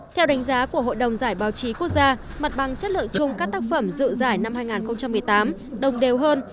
theo đánh giá của hội đồng giải báo chí quốc gia mặt bằng chất lượng chung các tác phẩm dự giải năm hai nghìn một mươi tám đồng đều hơn